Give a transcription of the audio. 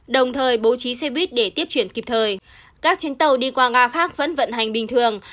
đồng thời bố trí xe buýt để tiếp chuyển kịp thời các chuyến tàu đi qua nga khác vẫn vận hành bình thường